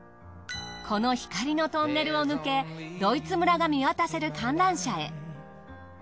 この光のトンネルを抜けドイツ村が見渡せる観覧車へ。